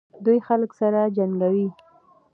دوی خلک سره جنګوي.